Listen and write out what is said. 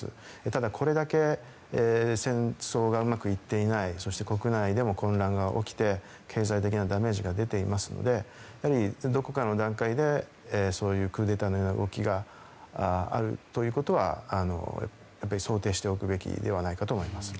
ただこれだけ戦争がうまくいっていないそして国内でも混乱が起きて経済的なダメージを受けていますのでどこかの段階でそういうクーデターのような動きがあるかもということは想定しておくべきではないかと思います。